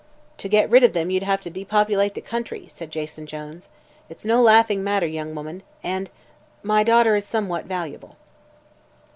"To get rid of them you'd have to depopulate the country," said Jason Jones. "It is no laughing matter, young woman, and my daughter is somewhat valuable."